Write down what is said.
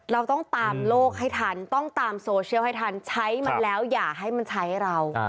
เราต้องตามโลกให้ทันต้องตามโซเชียลให้ทันใช้มันแล้วอย่าให้มันใช้เรา